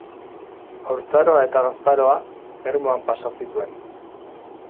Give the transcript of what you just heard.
Haurtzaroa eta gaztaroa Ermuan pasa zituen.